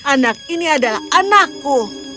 anak ini adalah anakku